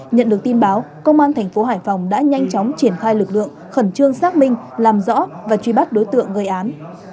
nhận được tin báo công an thành phố hải phòng đã nhanh chóng triển khai lực lượng khẩn trương xác minh làm rõ và truy bắt đối tượng gây án